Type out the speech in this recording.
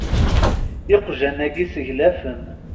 Iqjan-agu seglafen.